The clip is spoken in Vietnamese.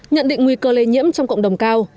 nhận định nguy cơ lây nhiễm trong cộng đồng cao